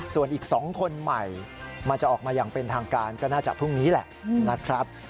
ส่วนอีก๒คนใหม่มันจะออกมาอย่างเป็นทางการก็น่าจะพรุ่งนี้แหละนะครับ